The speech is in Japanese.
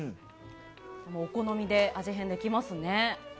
お好みで味変できますね。